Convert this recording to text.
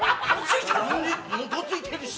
どついてるし。